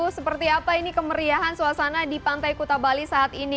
seperti apa ini kemeriahan suasana di pantai kuta bali saat ini